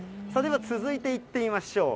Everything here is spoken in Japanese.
続いて行ってみましょう。